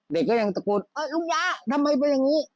เด็กก็ยังตะโกนเออลุงยาทำไมเป็นอย่างนี้